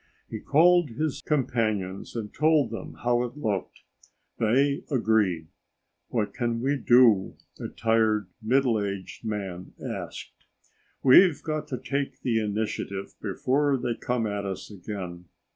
He called his companions and told them how it looked. They agreed. "What can we do?" a tired, middle aged man asked. "We've got to take the initiative before they come at us again."